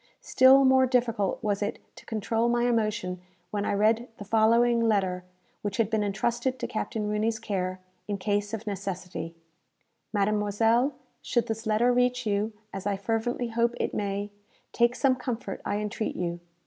Still more difficult was it to control my emotion when I read the following letter, which had been entrusted to Captain Rooney's care, in case of necessity: "MADEMOISELLE, Should this letter reach you, as I fervently hope it may, take some comfort, I entreat you.